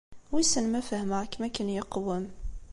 Wissen ma fehmeɣ-kem akken yeqwem.